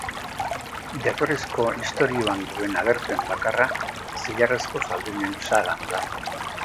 Jatorrizko istorioan duen agerpen bakarra zilarrezko zaldunen sagan da.